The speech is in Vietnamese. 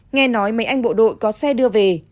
nghe nói mấy anh bộ đội có xe đưa về